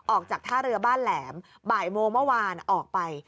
ออกจากท่าเรือบ้านแหลมบ่ายโมงเมื่อวานออกไป